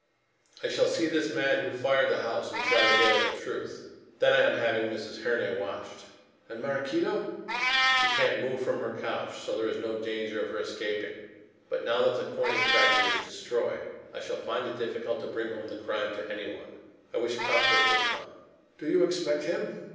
"I shall see this man who fired the house and try to get at the truth. Then I am having Mrs. Herne watched " "And Maraquito?" "She can't move from her couch, so there is no danger of her escaping. But now that the coining factory is destroyed, I shall find it difficult to bring home the crime to anyone. I wish Cuthbert would come." "Do you expect him?"